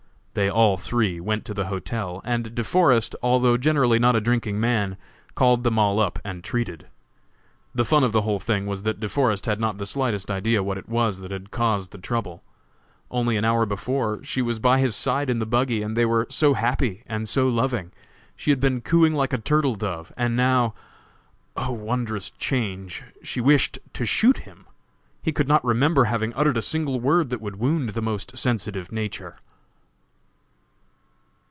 They all three went to the hotel, and De Forest, although generally not a drinking man, called them all up and treated. The fun of the whole thing was that De Forest had not the slightest idea what it was that had caused the trouble. Only an hour before she was by his side in the buggy, and they were so happy and so loving! She had been cooing like a turtle dove, and now, "Oh, wondrous change," she wished to shoot him. He could not remember having uttered a single word that would wound the most sensitive nature.